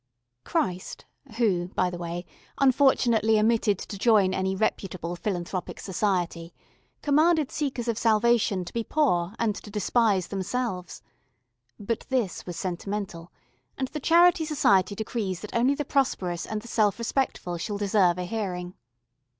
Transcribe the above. Christ, who, by the way, unfortunately omitted to join any reputable philanthropic society, commanded seekers of salvation to be poor and to despise themselves. But this was sentimental, and the Charity Society decrees that only the prosperous and the self respectful shall deserve a hearing.